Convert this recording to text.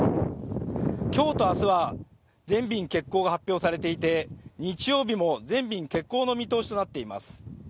今日と明日は全便欠航が発表されていて日曜日も全便欠航の見通しとなっています。